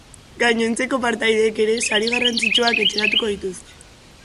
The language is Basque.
Gainontzeko partaideek ere sari garrantzitsuak etxeratuko dituzte.